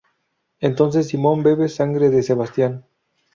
Entonces Simon bebe sangre de Sebastian.